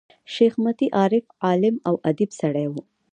شېخ متي عارف، عالم او اديب سړی وو.